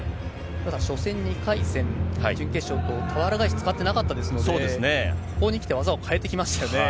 ただ、初戦、準決勝とたわら返し使ってなかったですので、ここにきて技を変えてきましたよね。